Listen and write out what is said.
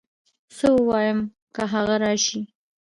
څه ووايم که هغه راشي